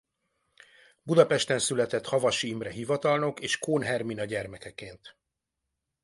Budapesten született Havasi Imre hivatalnok és Kohn Hermina gyermekeként.